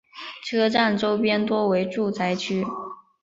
车站周边多为住宅区。